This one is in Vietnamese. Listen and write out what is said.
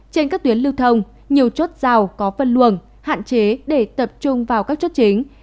trên các tuyến lưu thông nhiều chốt rào có phân luồng hạn chế để tập trung vào các chốt chính